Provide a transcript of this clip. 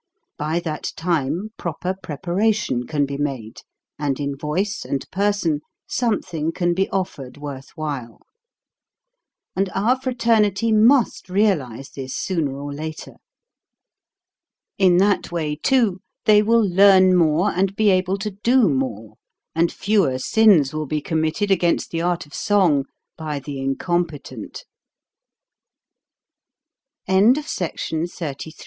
By that time proper prepa ration can be made, and in voice and person something can be offered worth while. And our fraternity must realize this sooner or later. In that way, too, they will learn more and be able to do more, and fewer sins will be committed against the art of song by the incomp